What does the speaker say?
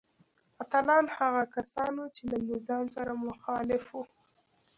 اتلان هغه کسان وو چې له نظام سره مخالف وو.